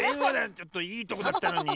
ちょっといいとこだったのに。